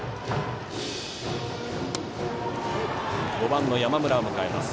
５番の山村を迎えます。